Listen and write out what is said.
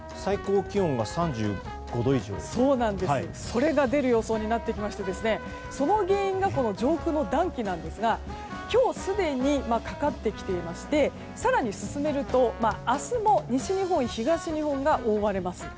それが出る予想になってきましてその原因が上空の暖気なんですが今日すでにかかってきていまして更に進めると明日も西日本、東日本が覆われます。